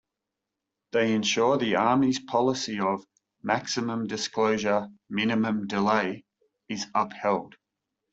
They ensure the Army's policy of "maximum disclosure, minimum delay" is upheld.